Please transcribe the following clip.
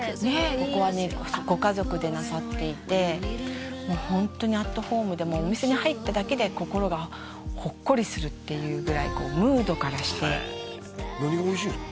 ここはねご家族でなさっていてもうホントにアットホームでもうお店に入っただけで心がほっこりするっていうぐらいこうムードからして何がおいしいんですか？